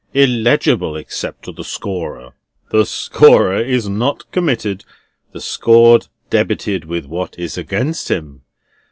Illegible except to the scorer. The scorer not committed, the scored debited with what is against him.